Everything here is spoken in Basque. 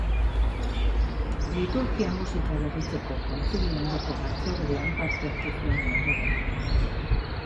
Liturgia Musika Berritzeko Kontzilio ondoko Batzordean parte hartu zuen ondoren.